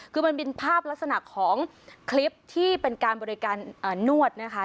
คือมันเป็นภาพลักษณะของคลิปที่เป็นการบริการนวดนะคะ